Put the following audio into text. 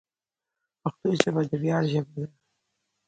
پښتو ژبه د ویاړ ژبه ده.